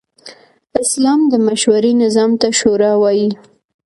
اسلام د مشورې نظام ته “شورا” وايي.